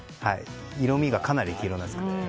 色みがかなり黄色いですが。